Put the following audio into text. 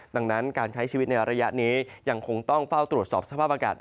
ดังนั้นการใช้ชีวิตในระยะนี้ยังคงต้องเฝ้าตรวจสอบสภาพอากาศ